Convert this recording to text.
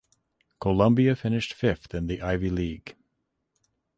Columbia finished fifth in the Ivy League.